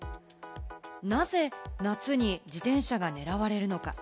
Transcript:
なぜ夏に自転車が狙われるのか？